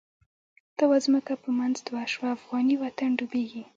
ته وا ځمکه په منځ دوه شوه، افغانی وطن ډوبیږی